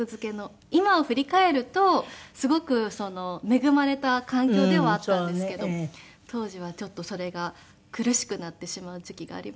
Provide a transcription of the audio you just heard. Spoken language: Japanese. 今振り返るとすごく恵まれた環境ではあったんですけど当時はそれが苦しくなってしまう時期がありまして反抗して。